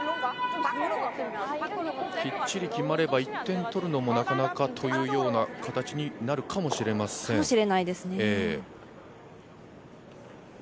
きっちり決まれば１点取るのもなかなかという形になるかもしれません。